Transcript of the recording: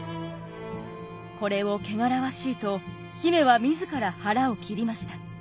これを汚らわしいと姫は自ら腹を切りました。